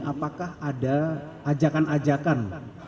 apakah ada ajakan ajakan